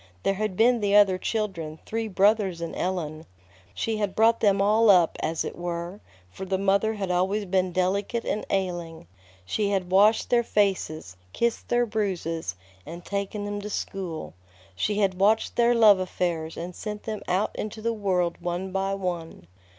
There had been the other children, three brothers and Ellen. She had brought them all up, as it were, for the mother had always been delicate and ailing. She had washed their faces, kissed their bruises, and taken them to school. She had watched their love affairs and sent them out into the world one by one.